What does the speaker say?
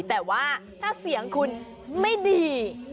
แต่ว่าถ้าเสียงคุณไม่ดี